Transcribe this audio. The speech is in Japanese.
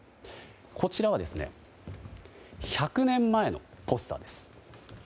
こちらは１００年前のポスターです。